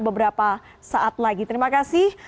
beberapa saat lagi terima kasih